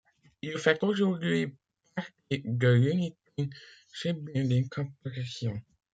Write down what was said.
Il fait aujourd'hui partie de l'United Shipbuilding Corporation.